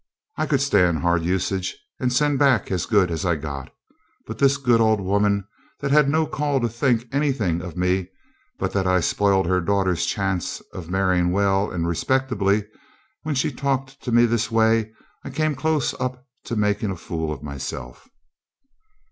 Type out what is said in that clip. I could stand hard usage, and send back as good as I got; but this good old woman, that had no call to think anything of me, but that I'd spoiled her daughter's chance of marrying well and respectably when she talked to me this way, I came close up to making a fool of myself.